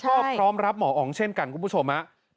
ก็พร้อมรับหมออ๋องเช่นกันคุณผู้ชมฮะ